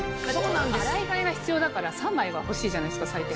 洗い替えが必要だから３枚は欲しいじゃないですか最低。